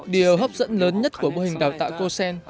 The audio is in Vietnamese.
điều hấp dẫn lớn nhất của bộ hình đào tạo cosen